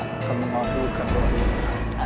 akan mengabulkan doa kita